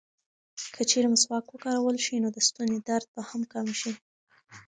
که چېرې مسواک وکارول شي، نو د ستوني درد به هم کم شي.